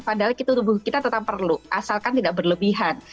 padahal itu tubuh kita tetap perlu asalkan tidak berlebihan